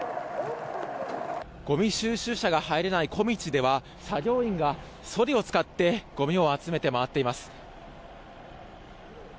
ごみ収集車が入れない小道では作業員が、そりを使ってごみを集めて回っています。